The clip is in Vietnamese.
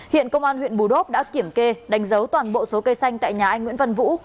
hiện công an huyện bù đốp đã kiểm kê đánh dấu toàn bộ số cây xanh tại nhà anh nguyễn văn vũ